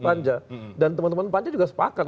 panja dan teman teman panja juga sepakat